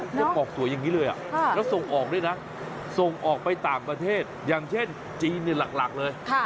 ยังออกสวยอย่างนี้เลยแล้วส่งออกด้วยนะส่งออกไปต่างประเทศอย่างเช่นจีนหลักเลย